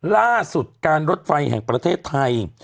ล่าสุดการรถไฟแห่งประเทศไทย